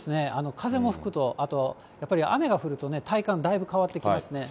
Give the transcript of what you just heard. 風も吹くと、あとやっぱり雨が降るとね、体感、だいぶ変わってきますね。